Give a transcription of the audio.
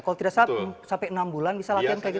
kalau tidak salah sampai enam bulan bisa latihan kayak gitu